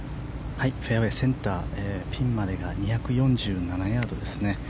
フェアウェーセンターピンまでが２４７ヤードですね。